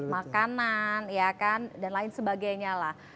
makanan dan lain sebagainya